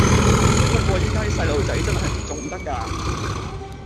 不過而家啲細路仔真係唔縱得㗎